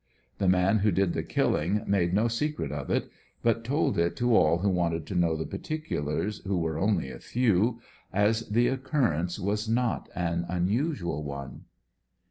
The man who did the killing made no secret of it, but told it to all who wanted to know the particulars, who were only a few, as the occurrence was not an unusual one.